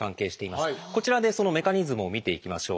こちらでそのメカニズムを見ていきましょう。